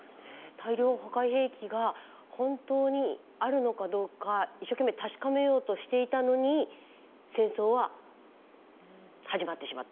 大量破壊兵器が本当にあるのかどうか一生懸命確かめようとしていたのに戦争は始まってしまった。